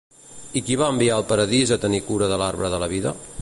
I qui va enviar al Paradís a tenir cura de l'arbre de la vida?